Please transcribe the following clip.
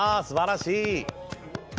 すばらしい。